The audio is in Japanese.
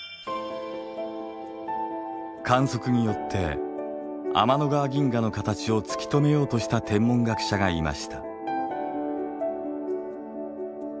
観測によって天の川銀河の形を突き止めようとした天文学者がいました。